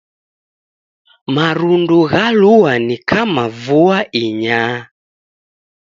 Marundu ghalua ni kama vua inyaa